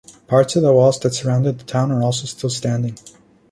Parts of the walls that surrounded the town are also still standing.